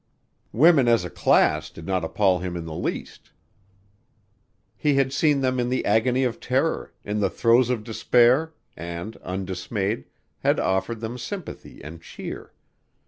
Women as a class did not appall him in the least. He had seen them in the agony of terror, in the throes of despair, and undismayed had offered them sympathy and cheer.